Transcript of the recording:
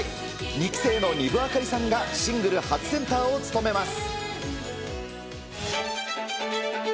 ２期生の丹生明里さんがシングル初センターを務めます。